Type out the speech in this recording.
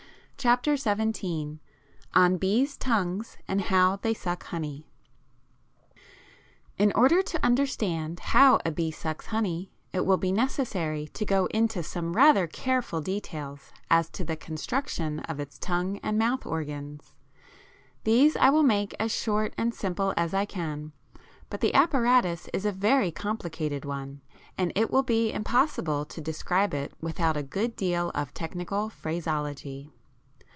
18.] ON BEES' TONGUES, AND HOW THEY SUCK HONEY In order to understand how a bee sucks honey it will be necessary to go into some rather careful details as to the construction of its tongue and mouth organs. These I will make as short and simple as I can, but the apparatus is a very complicated one, and it will be impossible to describe it without a good deal of technical phraseology.